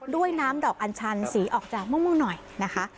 ด้วยน้ำดอกอัญชันสีออกจากม่วงหน่อยนะคะ